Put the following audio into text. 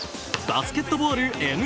バスケットボールＮＢＡ。